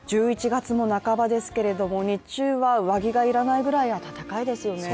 １１月も半ばですけれども、日中は上着がいらないぐらい暖かいですよね。